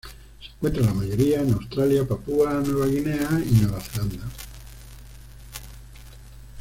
Se encuentra la mayoría en Australia, Papúa Nueva Guinea y Nueva Zelanda.